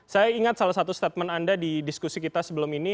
saya ingat salah satu statement anda di diskusi kita sebelum ini